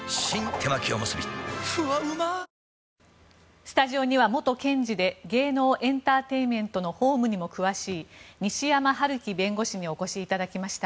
手巻おむすびふわうまスタジオには元検事で芸能エンターテインメントの法務にも詳しい西山晴基弁護士にお越しいただきました。